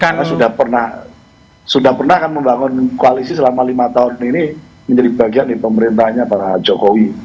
karena sudah pernah sudah pernah kan membangun koalisi selama lima tahun ini menjadi bagian di pemerintahnya para jokowi